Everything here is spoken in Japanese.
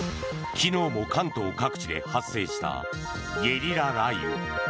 昨日も関東各地で発生したゲリラ雷雨。